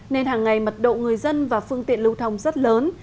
nên hàng ngày mật độ người dân và phương tiện lưu thông rất lớn